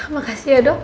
makasih ya dok